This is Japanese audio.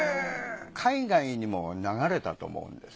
海外にも流れたと思うんです。